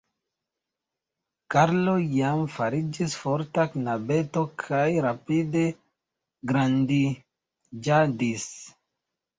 Karlo jam fariĝis forta knabeto kaj rapide grandiĝadis.